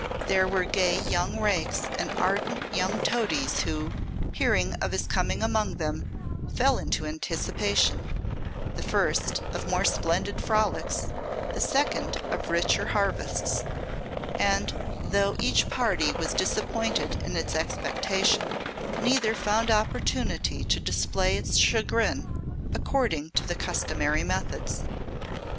There were gay young rakes and ardent young toadies who, hearing of his coming among them, fell into anticipation: the first, of more splendid frolics, the second, of richer harvests; and though each party was disappointed in its expectation, neither found opportunity to display its chagrin according to the customary methods.